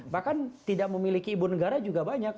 bahkan tidak memiliki ibu negara juga banyak